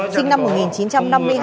sinh năm một nghìn chín trăm năm mươi hai